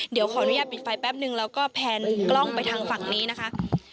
เดี๋ยวขออนุญาตปิดไฟแป๊บนึงแล้วก็แพนกล้องไปทางฝั่งนี้นะคะ